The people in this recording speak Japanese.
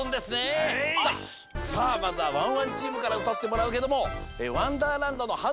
さあまずはワンワンチームからうたってもらうけども「わんだーらんど」のはる